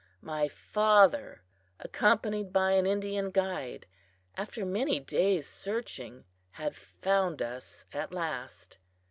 My father, accompanied by an Indian guide, after many days' searching had found us at last.